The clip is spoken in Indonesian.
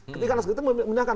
ketika naskah itu menyatakan